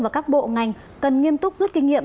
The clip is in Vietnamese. và các bộ ngành cần nghiêm túc rút kinh nghiệm